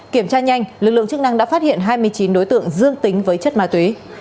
kiểm tra nhanh lực lượng chức năng đã phát hiện hai mươi chín đối tượng dương tính với chất ma túy